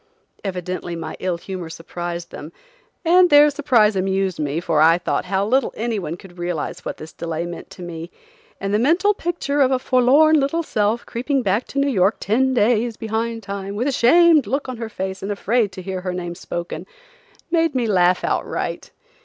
Evidently my ill humor surprised them, and their surprise amused me, for I thought how little anyone could realize what this delay meant to me, and the mental picture of a forlorn little self creeping back to New York ten days behind time, with a shamed look on her face and afraid to hear her name spoken, made me laugh outright.